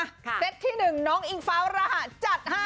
เซตที่๑น้องอิงฟ้าวรหะจัดให้